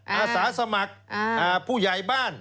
อาสาสมัครผู้ใหญ่บ้าน